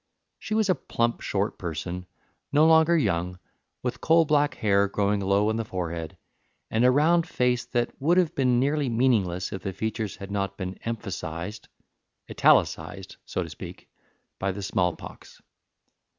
She was a plump, short person, no longer young, with coal black hair growing low on the forehead, and a round face that would have been nearly meaningless if the features had not been emphasized italicized, so to speak by the smallpox.